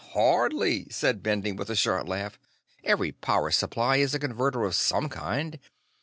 "Hardly," said Bending with a short laugh. "Every power supply is a converter of some kind.